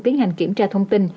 tiến hành kiểm tra thông tin